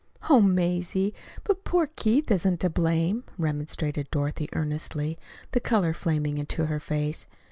"Oh, Mazie, but poor Keith isn't to blame," remonstrated Dorothy earnestly, the color flaming into her face.